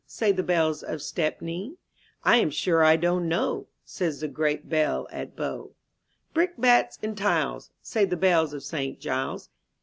Say the bells of Stepney. I am sure I don't know," Says the great bell at Bow. '* Brickbats and tiles," Say the bells of St. Giles'.